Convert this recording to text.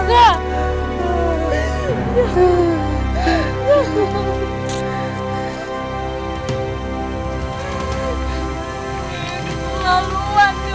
kamu orang yang keberanatge